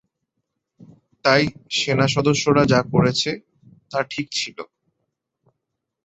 তাই সেনা সদস্যরা যা করেছে তা ঠিক ছিল।